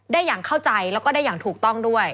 อย่างเข้าใจแล้วก็ได้อย่างถูกต้องด้วย